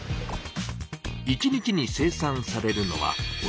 １日に生産されるのはおよそ３万株！